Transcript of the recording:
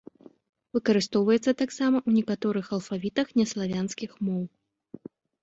Выкарыстоўваецца таксама ў некаторых алфавітах неславянскіх моў.